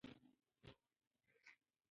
د پوستکي دانې ژر تشخيص کړئ.